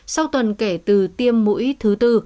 sau tuần kể từ tiêm mũi thứ tư